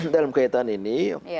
dalam kaitan ini